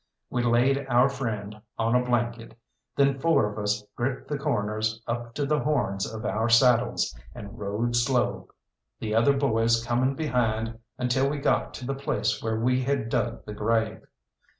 We laid our friend on a blanket, then four of us gripped the corners up to the horns of our saddles and rode slow, the other boys coming behind until we got to the place where we had dug the grave.